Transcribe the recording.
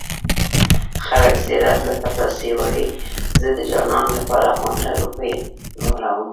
خلک زيارت له پتاسې وړي زه د جانان لپاره غونډه روپۍ وړمه